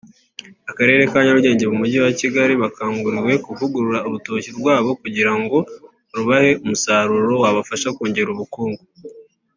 Akarere ka Nyarugenge mu mujyi wa Kigali bakanguriwe kuvugurura urutoki rwabo kugira ngo rubahe umusaruro wabafasha kongera ubukungu